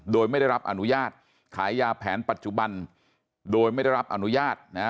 โดยไม่ได้รับอนุญาตขายยาแผนปัจจุบันโดยไม่ได้รับอนุญาตนะฮะ